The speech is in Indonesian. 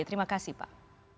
terima kasih pak